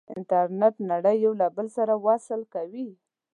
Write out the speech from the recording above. انټرنیټ نړۍ له یو بل سره وصل کوي.